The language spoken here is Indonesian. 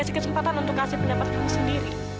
dan diberi kesempatan untuk kasih pendapat kamu sendiri